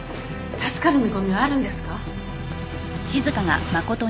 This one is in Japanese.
助かる見込みはあるんですか？